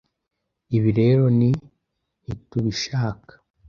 Ibi rero ni ntitubishaka